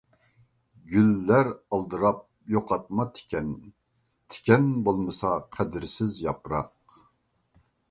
گۈللەر ئالدىراپ يوقاتما تىكەن، تىكەن بولمىسا قەدىرسىز ياپراق.